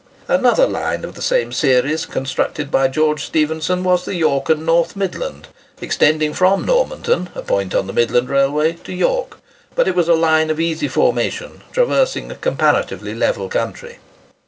Another line of the same series constructed by George Stephenson, was the York and North Midland, extending from Normanton—a point on the Midland Railway—to York; but it was a line of easy formation, traversing a comparatively level country.